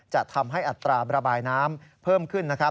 จะทำให้อัตราระบายน้ำเพิ่มขึ้น